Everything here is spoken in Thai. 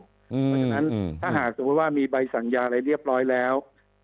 เพราะฉะนั้นถ้าหากสมมุติว่ามีใบสั่งยาอะไรเรียบร้อยแล้ว